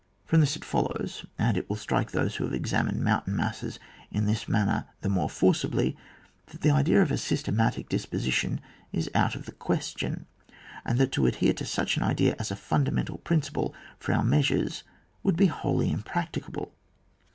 From this it follows, and it will strike those who have examined moimtain masses in this manner the more forcibly, that the idea of a systematic disposition is out of the question, and that to adhere to such an idea as a fundamental prin ciple for our measures would be wholly impracticable.